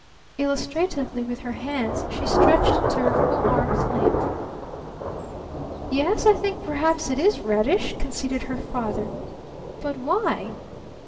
Illustratively with her hands she stretched to her full arm's length. "Yes, I think perhaps it is reddish," conceded her father. "But why?"